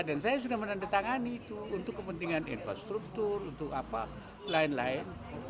dan saya sudah menandatangani itu untuk kepentingan infrastruktur untuk apa lain lain